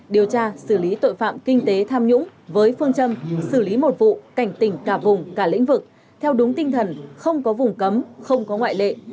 điều tra xử lý tội phạm kinh tế tham nhũng với phương châm xử lý một vụ cảnh tỉnh cả vùng cả lĩnh vực theo đúng tinh thần không có vùng cấm không có ngoại lệ